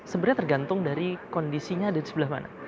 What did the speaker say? sebenarnya tergantung dari kondisinya ada di sebelah mana